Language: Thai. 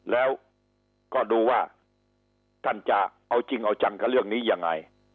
แล้วก็ดูว่าท่านจะเอาจริงเอาจังกับเรื่องนี้ยังไง